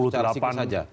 secara psikis saja